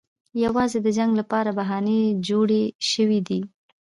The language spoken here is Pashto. یوازې د جنګ لپاره بهانې جوړې شوې دي.